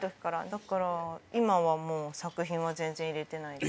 だから今はもう作品は全然入れてないです。